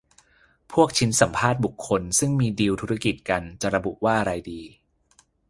พวกชิ้นสัมภาษณ์บุคคล ซึ่งมีดีลธุรกิจกัน จะระบุว่าอะไรดี